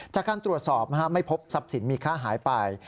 จากการตรวจสอบไม่พบทรัพย์สินมีค่าหายไป